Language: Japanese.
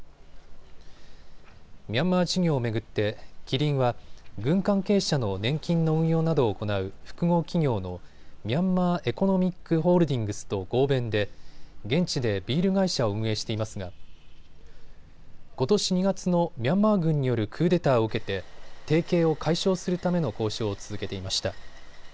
ミャンマー事業を巡ってキリンは軍関係者の年金の運用などを行う複合企業のミャンマー・エコノミック・ホールディングスと合弁で現地でビール会社を運営していますがことし２月のミャンマー軍によるクーデターを受けて提携を解消するための交渉を続けていました。